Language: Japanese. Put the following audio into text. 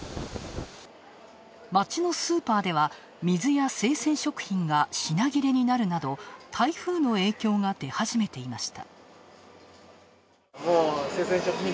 町のスーパーでは、水や生鮮食品が品切れになるなど台風の影響が出始めていました。